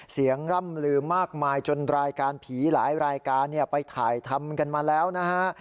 ร่ำลือมากมายจนรายการผีหลายรายการไปถ่ายทำกันมาแล้วนะฮะ